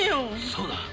そうだ。